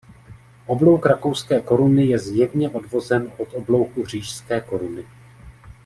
Oblouk rakouské koruny je zjevně odvozen od oblouku říšské koruny.